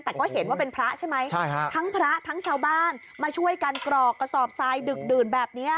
แต่ก็เห็นว่าเป็นพระใช่ไหมทั้งพระทั้งชาวบ้านมาช่วยกันกรอกกระสอบทรายดึกดื่นแบบนี้